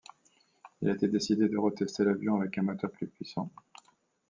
Il a été décidé de re-tester l'avion avec un moteur plus puissant.